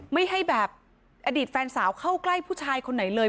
ไม่ให้แบบอดีตแฟนสาวเข้าใกล้ผู้ชายคนไหนเลย